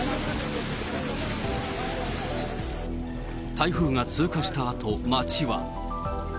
台風が通過したあと、街は。